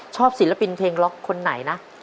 ศิลปินเพลงล็อกคนไหนนะ